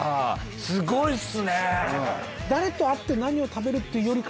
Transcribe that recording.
すごいっすね。